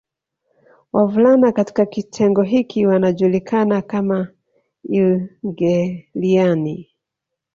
Wavulana katika kitengo hiki wanajulikana kama Ilngeeliani